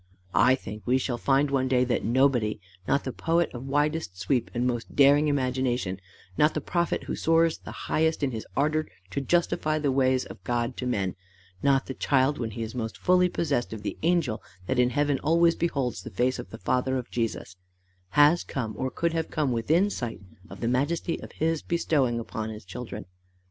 I think we shall find one day that nobody, not the poet of widest sweep and most daring imagination, not the prophet who soars the highest in his ardour to justify the ways of God to men, not the child when he is most fully possessed of the angel that in heaven always beholds the face of the Father of Jesus, has come or could have come within sight of the majesty of his bestowing upon his children.